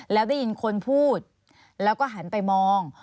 แล้วได้ยินคนพูดแล้วก็หันไปมอง